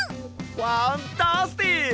ファンタスティック！